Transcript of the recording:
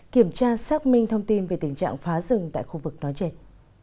kiểm tra xác minh thông tin về tình trạng phá rừng tại khu vực nói trên